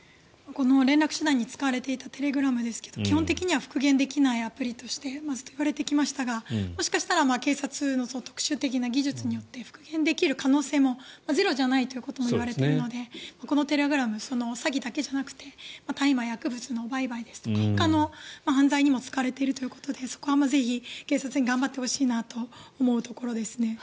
連絡手段に使われていたテレグラムですが基本的には復元できないアプリとして使われてきましたがもしかしたら警察の特殊的な技術によって復元できる可能性もゼロじゃないということもいわれているのでこのテレグラム詐欺だけじゃなくて大麻、薬物の売買ですとかほかの犯罪にも使われているということでそこはぜひ警察に頑張ってほしいなと思うところですね。